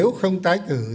nếu không tái cử